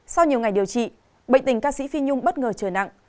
sau nhiều ngày điều trị bệnh tình ca sĩ phi nhung bất ngờ trời nặng